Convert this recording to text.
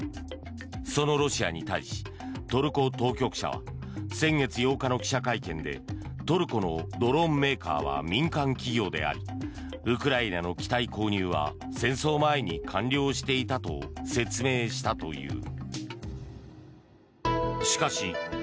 そのロシアに対しトルコ当局者は先月８日の記者会見でトルコのドローンメーカーは民間企業でありウクライナの機体購入は戦争前に完了していたと説明したという。